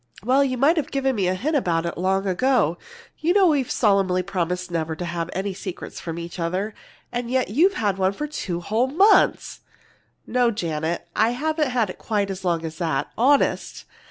"Well, you might have given me a hint about it long ago. You know we've solemnly promised never to have any secrets from each other, and yet you've had one two whole months?" "No, Jan, I haven't had it quite as long as that. Honest!